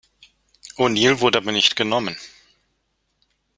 O'Neill wurde aber nicht genommen.